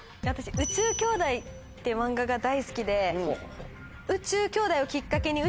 『宇宙兄弟』っていう漫画が大好きで。